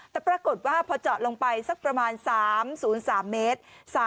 แต่ปรากฏว่าพอเจาะลงไปสักประมาณ๓๐๓เมตร